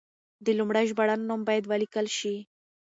د لومړي ژباړن نوم باید ولیکل شي.